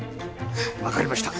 分かりました。